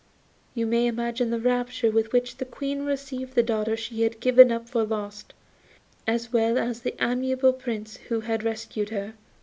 You may imagine the rapture with which the Queen received the daughter she had given up for lost, as well as the amiable Prince who had rescued her.